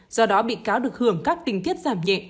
do đó bị cáo được hưởng các tình tiết giảm nhẹ